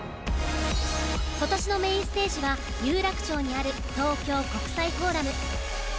今年のメインステージは有楽町にある東京国際フォーラム。